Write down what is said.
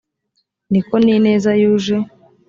ni ko n ineza yuje